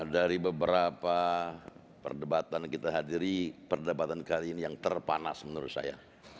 dari beberapa perdebatan yang kita hadiri perdebatan kali ini yang terpanas menurut saya